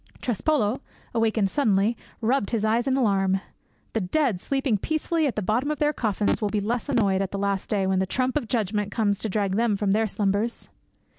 Trespolo, awakened suddenly, rubbed his eyes in alarm. The dead, sleeping peacefully at the bottom of their coffins, will be less annoyed at the last day when the trump of Judgment comes to drag them from their slumbers.